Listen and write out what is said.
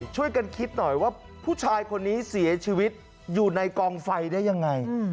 ช่วยกันคิดหน่อยว่าผู้ชายคนนี้เสียชีวิตอยู่ในกองไฟได้ยังไง